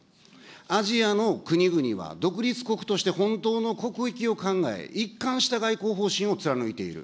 アジアの国々は、独立国として本当の国益を考え、一貫した外交方針を貫いている。